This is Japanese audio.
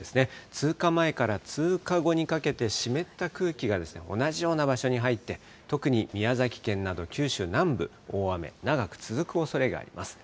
通過前から通過後にかけて、湿った空気が同じような場所に入って、特に宮崎県など九州南部、大雨、長く続くおそれがあります。